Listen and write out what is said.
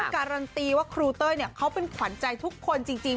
การันตีว่าครูเต้ยเขาเป็นขวัญใจทุกคนจริง